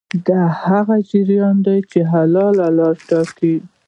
دا هغه جریان دی چې حل لاره ټاکي.